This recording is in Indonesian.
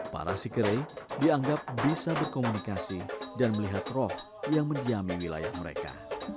para sikeri dianggap bisa berkomunikasi dan melihat roh yang mendiami wilayah mereka